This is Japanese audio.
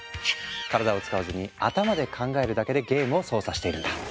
体を使わずに頭で考えるだけでゲームを操作しているんだ。